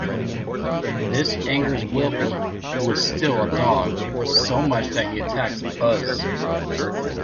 This angers Wilby, who is still a dog, so much that he attacks Buzz.